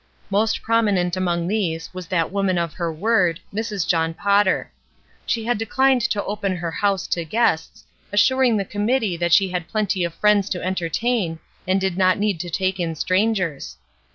Most prominent among these was that woman of her word, Mrs. John Potter. She had de cfined to open her house to guests, assuring the committee that she had plenty of friends to entertain, and did not need to take in stran gers.